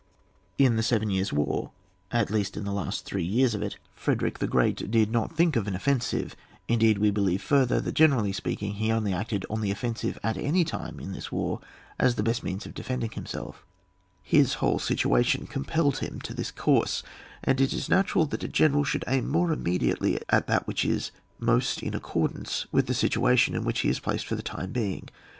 In the Seven Years' War, at least in the CHAP. I.] OFFENCE AND DEFENCE. 69 last three years of it, Frederick the Great did not think of an offensive ; indeed we believe further, that generally speaking, he only acted on the offensive at any time in this war as the best means of defending himself; his whole situation compelled him to this course, and it is natural that a general should aim more immediately at that which is most in ac cordance with the situation in which he is placed for the time being.